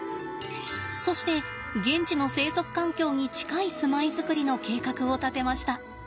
そして現地の生息環境に近い住まいづくりの計画を立てました。